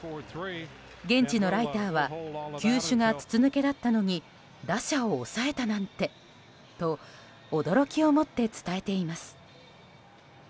現地のライターは球種が筒抜けだったのに打者を抑えたなんてと驚きをもって伝えています。